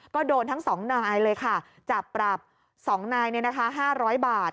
ก็โดนทั้งสองนายเลยค่ะจับปรับสองนายเนี่ยนะคะห้าร้อยบาท